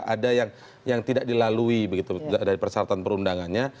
ada yang tidak dilalui begitu dari persyaratan perundangannya